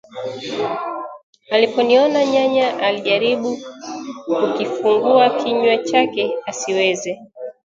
Aliponiona, nyanya alijaribu kukifungua kinywa chake asiweze